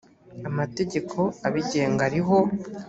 amategeko abigenga ariho.